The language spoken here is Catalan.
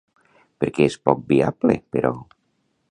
Per què és poc viable, però?